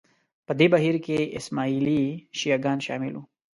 په دې بهیر کې اسماعیلي شیعه ګان شامل وو